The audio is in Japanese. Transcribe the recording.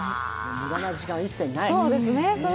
無駄な時間は一切ない。